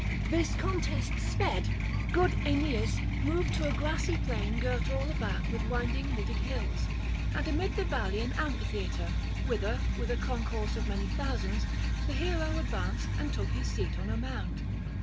This contest sped, good Aeneas moved to a grassy plain girt all about with winding wooded hills, and amid the valley an amphitheatre, whither, with a concourse of many thousands, the hero advanced and took his seat on a mound.